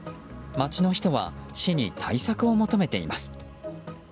街の人は市に対策を求めています。